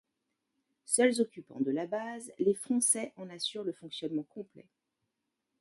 Seuls occupants de la base, les Français en assurent le fonctionnement complet.